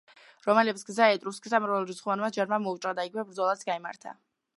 რომაელებს გზა ეტრუსკთა მრავალრიცხოვანმა ჯარმა მოუჭრა და იქვე ბრძოლაც გაიმართა.